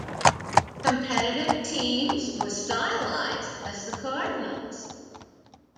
Competitive teams were stylized as the Cardinals.